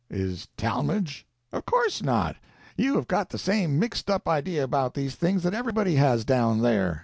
"Is Talmage?" "Of course not. You have got the same mixed up idea about these things that everybody has down there.